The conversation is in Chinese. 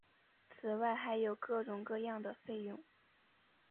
此外还有各种各样的费用。